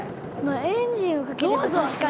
エンジンをかければ確かに。